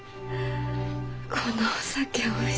このお酒おいしい。